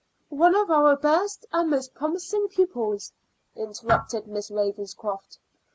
"One of our best and most promising pupils," interrupted Miss Ravenscroft.